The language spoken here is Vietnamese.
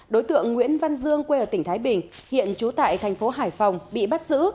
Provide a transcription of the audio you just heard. đối tượng nguyễn văn dương quê ở tỉnh thái bình hiện trú tại tp hải phòng bị bắt giữ